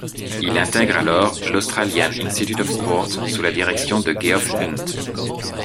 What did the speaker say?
Il intègre alors l'Australian Institute of Sport sous la direction de Geoff Hunt.